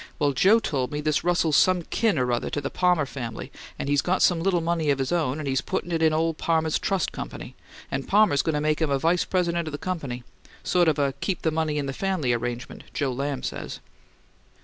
Well, Joe told me this Russell's some kin or other to the Palmer family, and he's got some little money of his own, and he's puttin' it into ole Palmer's trust company and Palmer's goin' to make him a vice president of the company. Sort of a keep the money in the family arrangement, Joe Lamb says."